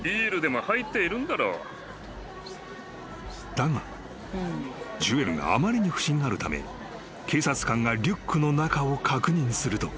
［だがジュエルがあまりに不審がるため警察官がリュックの中を確認すると］